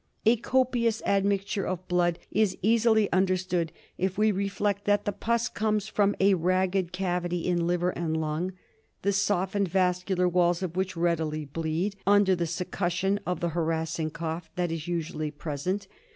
A copius admixture of blood is easily understood if we reflect that the pus comes from a ragged cavity in liver and lung, the softened vascular walls of which readily bleed under the succussion of the harassing cough that is usually present.